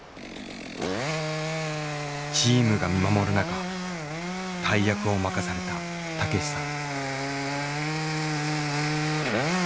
チームが見守る中大役を任された武さん。